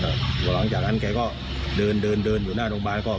แล้วก็หลังจากนั้นแกก็เดินอยู่หน้าโรงพยาบาล